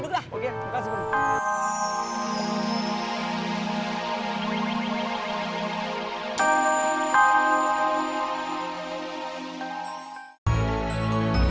duduk mas silahkan duduk lah